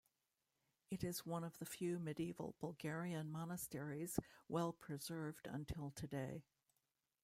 It is one of the few medieval Bulgarian monasteries well preserved until today.